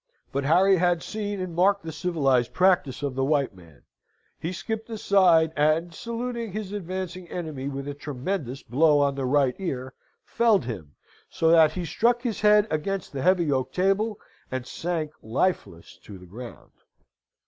But Harry had seen and marked the civilised practice of the white man. He skipped aside, and, saluting his advancing enemy with a tremendous blow on the right ear, felled him, so that he struck his head against the heavy oak table and sank lifeless to the ground.